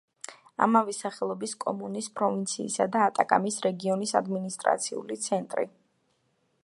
ამავე სახელობის კომუნის, პროვინციისა და ატაკამის რეგიონის ადმინისტრაციული ცენტრი.